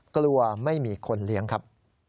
กลัวไม่มีคนเลี้ยงครับ